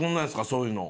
そういうの。